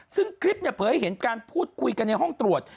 ซึ่งคลิปเนี่ยเผยให้เห็นการพูดคุยกันในห้องตรวจ